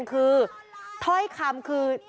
แต่ท่อยคำคือ